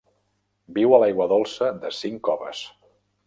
Viu a l'aigua dolça de cinc coves.